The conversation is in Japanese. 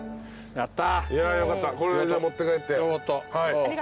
やった！